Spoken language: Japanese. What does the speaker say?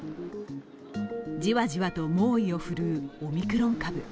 じわじわと猛威を振るうオミクロン株。